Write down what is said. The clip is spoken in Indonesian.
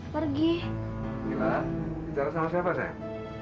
pergi lah bicara sama siapa sayang